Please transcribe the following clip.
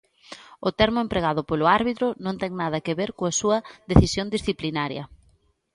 O termo empregado polo árbitro non ten nada que ver coa súa decisión disciplinaria.